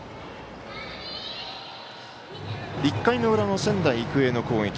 １回の裏の仙台育英の攻撃。